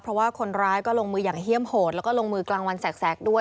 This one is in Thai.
เพราะว่าคนร้ายก็ลงมืออย่างเฮี่ยมโหดแล้วก็ลงมือกลางวันแสกด้วย